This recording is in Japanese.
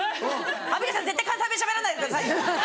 アンミカさん絶対関西弁しゃべらないでくださいよ。